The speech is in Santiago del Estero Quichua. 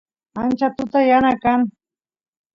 ancha tuta yana kan